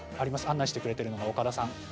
案内してくれてるのが岡田さんです。